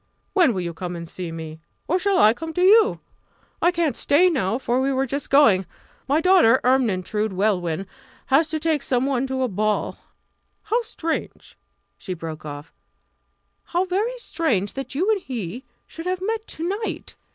When will you come and see me or shall I come to you? I can't stay now, for we were just going; my daughter, Ermyntrude Welwyn, has to take some one to a ball. How strange" she broke off "how very strange that you and he should have met to night!